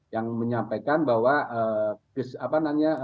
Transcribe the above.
yang menyampaikan bahwa apa namanya